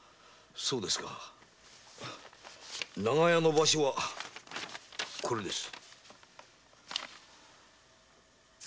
そうですか長屋の場所はこれです。